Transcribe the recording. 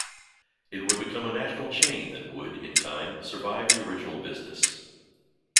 It would become a national chain that would, in time, survive the original business.